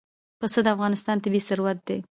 پسه د افغانستان طبعي ثروت دی.